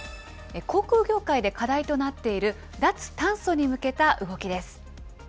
航空業界で課題となっている脱炭素に向けた動きです。